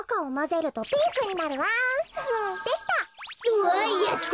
うわやった！